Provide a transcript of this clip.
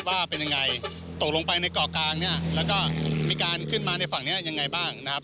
ว่าเป็นยังไงตกลงไปในเกาะกลางเนี่ยแล้วก็มีการขึ้นมาในฝั่งนี้ยังไงบ้างนะครับ